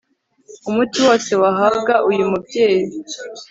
Umuti wose wahabwa uyu mubyeyi